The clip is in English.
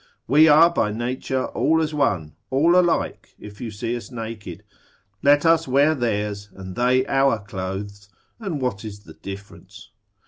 We are by nature all as one, all alike, if you see us naked; let us wear theirs and they our clothes, and what is the difference?